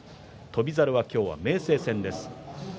翔猿は今日は明生戦です。